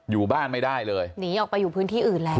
อยู่บ้านไม่ได้เลยหนีออกไปอยู่พื้นที่อื่นแล้ว